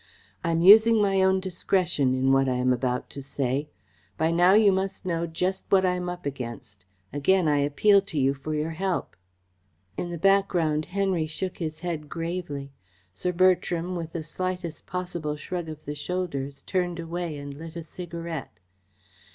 I am using my own discretion in what I am about to say. By now you must know just what I am up against. Again I appeal to you for your help." In the background Henry shook his head gravely. Sir Bertram, with the slightest possible shrug of the shoulders, turned away and lit a cigarette.